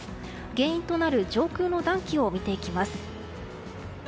原因となる上空の暖気を見ていきます。